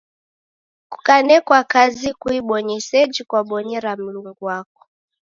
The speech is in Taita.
Kukanekwa kazi kuibonye seji kwabonyera Mlungu wako.